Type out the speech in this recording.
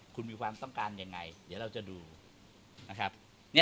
คุณมีความต้องการยังไง